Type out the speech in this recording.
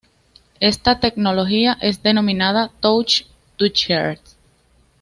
Esta tecnología es denominada Touch to Share.